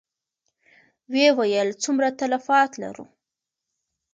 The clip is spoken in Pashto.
ويې ويل: څومره تلفات لرو؟